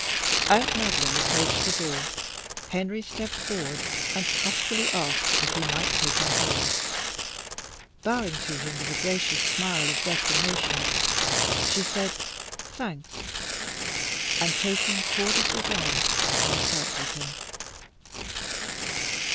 As Madeline approached the door, Henry stepped forward and huskily asked if he might take her home. Bowing to him with a gracious smile of declination, she said, "Thanks," and, taking Cordis's arm, passed out with him.